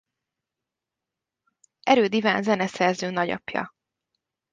Erőd Iván zeneszerző nagyapja.